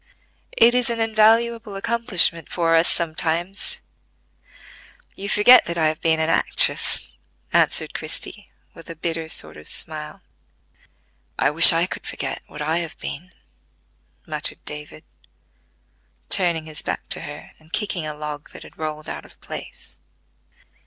"It is an invaluable accomplishment for us sometimes: you forget that I have been an actress," answered Christie, with a bitter sort of smile. "I wish I could forget what I have been!" muttered David, turning his back to her and kicking a log that had rolled out of place.